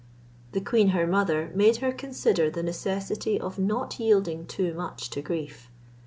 The queen her mother made her consider the necessity of not yielding too much to grief.